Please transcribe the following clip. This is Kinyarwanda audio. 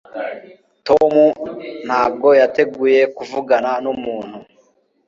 Tom ntabwo yateguye kuvugana numuntu